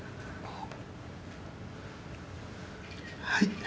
はい。